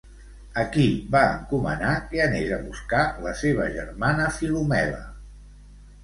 A qui va encomanar que anés a buscar la seva germana Filomela?